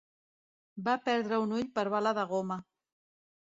Va perdre un ull per bala de goma.